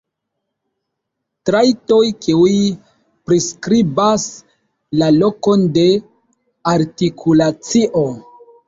Trajtoj kiuj priskribas la lokon de artikulacio.